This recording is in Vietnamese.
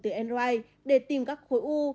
từ android để tìm các khối u